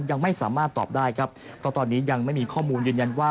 ยังไม่สามารถตอบได้ครับเพราะตอนนี้ยังไม่มีข้อมูลยืนยันว่า